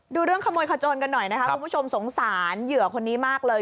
ดูเรื่องขโมยขจนกันหน่อยนะคะคุณผู้ชมสงสารเหยื่อคนนี้มากเลย